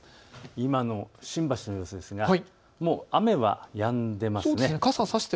今の新橋の様子ですがもう雨はやんでいますね。